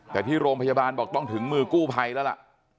แต่ที่โรงพยาบาลบอกต้องถึงมือกู้ภัยแล้วล่ะ